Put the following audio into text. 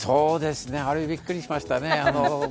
あれはびっくりしましたね。